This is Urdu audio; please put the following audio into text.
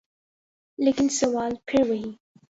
لیکن سوال پھر وہی۔